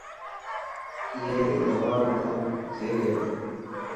اي ري دوا رو ٽائيمٿي گيو.